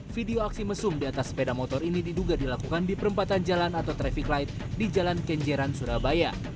video aksi mesum di atas sepeda motor ini diduga dilakukan di perempatan jalan atau traffic light di jalan kenjeran surabaya